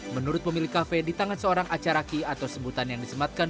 menurut pemilik kafe di tangan seorang acaraki atau sebutan yang disematkan